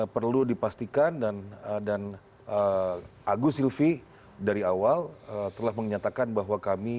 perlu dipastikan dan agus silvi dari awal telah menyatakan bahwa kami